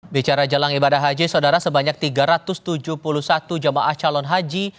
bicara jelang ibadah haji saudara sebanyak tiga ratus tujuh puluh satu jamaah calon haji